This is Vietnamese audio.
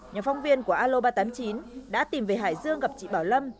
nhà phong viên của alo ba trăm tám mươi chín đã tìm về hải dương gặp chị bảo lâm